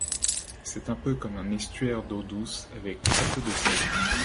C'est un peu comme un estuaire d'eau douce avec très peu de sel.